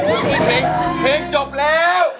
คุณนี่พี่จบแล้ว